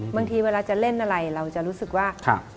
บางทีเวลาจะเล่นอะไรเราจะรู้สึกว่า